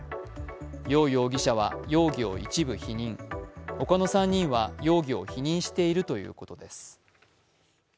楊容疑者らは容疑を一部否認、ほかの３人は容疑を否認しているということです。